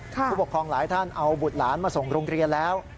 ผู้ปกครองหลายท่านเอาบุตรหลานมาส่งโรงเรียนแล้ว